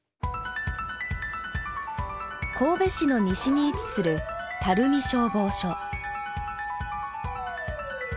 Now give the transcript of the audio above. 神戸市の西に位置する垂水消防署。